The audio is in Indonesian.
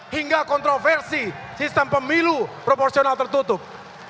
hingga kontroversi sistem pemilu proporsional tertutup